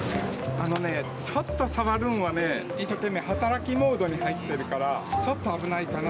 あのね、ちょっと触るのは、一生懸命働きモードに入っているから、ちょっと危ないかな。